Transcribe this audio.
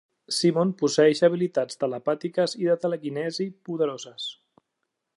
Psimon posseeix habilitats telepàtiques i de telecinesi poderoses.